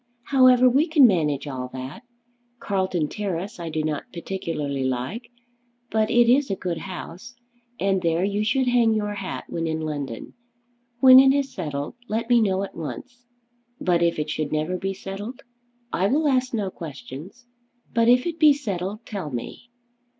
"However, we can manage all that. Carlton Terrace I do not particularly like; but it is a good house, and there you should hang up your hat when in London. When it is settled, let me know at once." "But if it should never be settled?" "I will ask no questions; but if it be settled, tell me."